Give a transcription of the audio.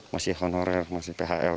masih honorer masih phl